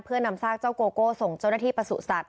เพื่อนำซากเจ้าโกโก้ส่งเจ้าหน้าที่ประสูจนสัตว